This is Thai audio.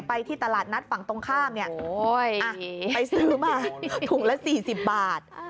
ที่ตลาดนัดฝั่งตรงข้ามเนี่ยไปซื้อมาถุงละ๔๐บาท